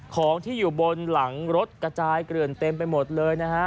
ของที่อยู่บนหลังรถกระจายเกลื่อนเต็มไปหมดเลยนะฮะ